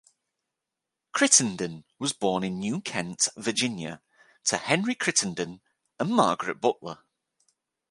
Crittenden was born in New Kent, Virginia, to Henry Crittenden and Margaret Butler.